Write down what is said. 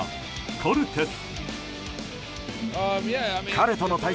コルテス。